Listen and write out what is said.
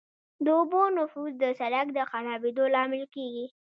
د اوبو نفوذ د سرک د خرابېدو لامل کیږي